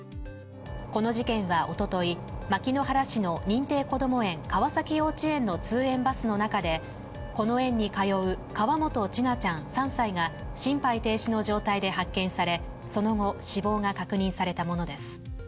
この事件はおととい、牧之原市の認定こども園、川崎幼稚園の通園バスの中でこの園に通う河本千奈ちゃん３歳が心肺停止の状態で発見され、その後、死亡が確認されたものです。